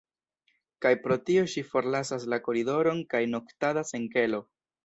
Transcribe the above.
Kaj pro tio ŝi forlasas la koridoron kaj noktadas en kelo.